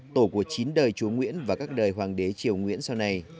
tổ của chín đời chúa nguyễn và các đời hoàng đế triều nguyễn sau này